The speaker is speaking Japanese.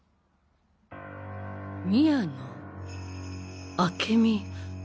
宮野明美